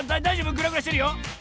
グラグラしてるよ。